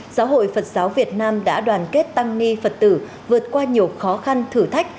giáo hội phật giáo việt nam đã đoàn kết tăng ni phật tử vượt qua nhiều khó khăn thử thách